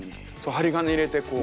針金入れてこう。